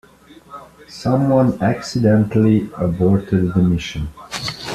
Someone accidentally aborted the mission.